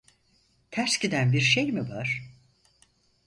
Ters giden bir şey mi var?